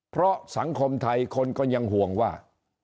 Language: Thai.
เพราะสังคมไทยคนก็ยังห่วงว่า